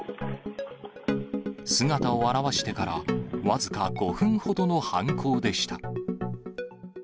姿を現してから僅か５分ほどの犯行でした。